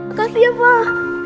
makasih ya pak